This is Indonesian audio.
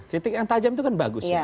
kritik yang tajam itu kan bagus